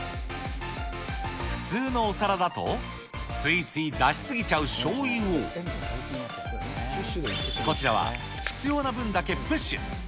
普通のお皿だと、ついつい出しすぎちゃうしょうゆを、こちらは必要な分だけプッシュ。